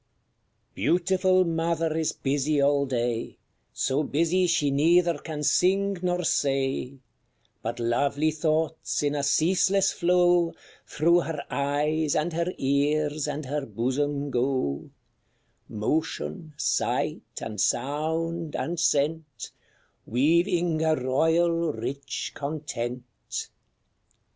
_ Beautiful mother is busy all day, So busy she neither can sing nor say; But lovely thoughts, in a ceaseless flow, Through her eyes, and her ears, and her bosom go Motion, sight, and sound, and scent, Weaving a royal, rich content.